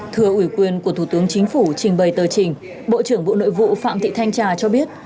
thừa ủy quyền của thủ tướng chính phủ trình bày tờ trình bộ trưởng bộ nội vụ phạm thị thanh trà cho biết